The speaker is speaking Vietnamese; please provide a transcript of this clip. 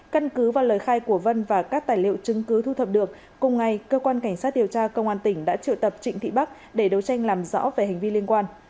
căn cứ vào lời khai của vân và các tài liệu chứng cứ thu thập được cùng ngày cơ quan cảnh sát điều tra công an tỉnh đã triệu tập trịnh thị bắc để đấu tranh làm rõ về hành vi liên quan